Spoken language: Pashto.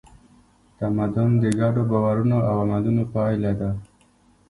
تمدن د ګډو باورونو او عملونو پایله ده.